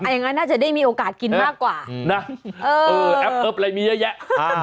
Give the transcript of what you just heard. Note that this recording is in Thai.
อย่างนั้นน่าจะได้มีโอกาสกินมากกว่านะเออแอปเอิร์ฟอะไรมีเยอะแยะ